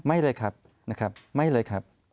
ไม่เลยครับนะครับไม่เลยครับ